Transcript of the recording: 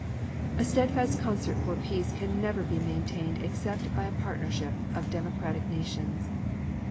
A steadfast concert for peace can never be maintained except by a partnership of democratic nations.